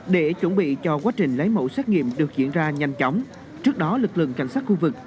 để chuẩn bị cho quá trình lấy mẫu xét nghiệm được diễn ra nhanh chóng trước đó lực lượng cảnh sát khu vực